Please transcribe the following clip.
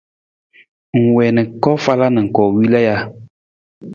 Ng wiin koofala na koowila ja?